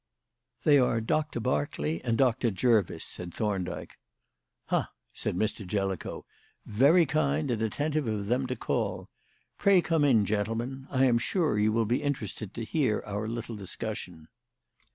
"They are Doctor Berkeley and Doctor Jervis," said Thorndyke. "Ha!" said Mr. Jellicoe; "very kind and attentive of them to call. Pray come in, gentlemen. I am sure you will be interested to hear our little discussion."